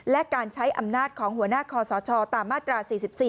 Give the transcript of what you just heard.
และการใช้อำนาจของหัวหน้าคอสชตามมาตรา๔๔